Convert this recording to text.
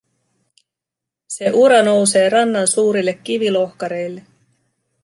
Se ura nousee rannan suurille kivilohkareille.